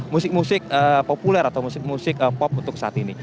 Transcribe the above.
musik musik populer atau musik musik pop untuk saat ini